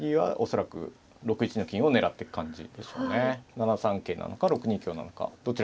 ７三桂なのか６二香なのかどちらも有力ですね。